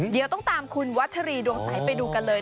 เดี๋ยวต้องตามคุณวัชรีดวงใสไปดูกันเลย